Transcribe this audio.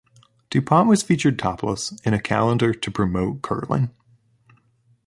Dupont was featured topless in a calendar to promote curling.